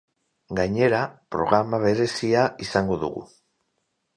Gainera, programa berezia izango dugu.